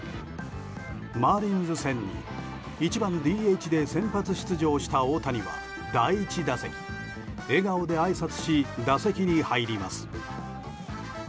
マーリンズ戦に１番ＤＨで先発出場した大谷は第１打席、笑顔であいさつし打席に入ります。